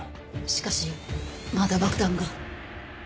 しかしまだ爆弾が。